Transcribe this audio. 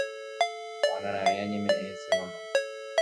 Ko'ág̃a raẽ añeme'ẽ hese mama